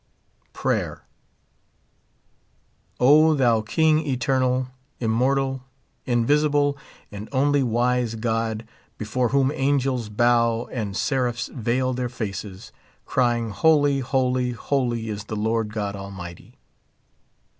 Prayer. O thou King eternal, immoital, invisible, and only wise God, before whom angels bow and seraphs veil their faces, crying, holy, holy, holy is the Lord God Almighty.